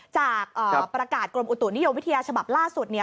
จากประกาศกรมอุตุนิยมวิทยาฉบับล่าสุดเนี่ย